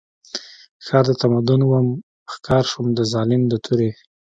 ښار د تمدن وم ښکار شوم د ظالم د تورې